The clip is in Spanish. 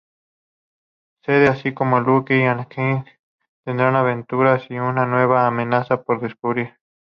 Cade, así como Luke y Anakin, tendrá aventuras, y una nueva amenaza por destruir.